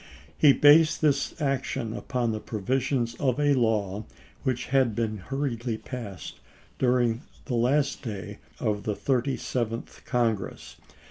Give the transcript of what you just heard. He based this action upon the provisions of a law which had been hurriedly passed during the last day of the Thirty seventh Congress.